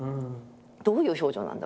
どういう表情なんだ